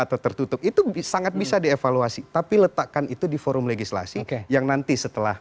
atau tertutup itu sangat bisa dievaluasi tapi letakkan itu di forum legislasi yang nanti setelah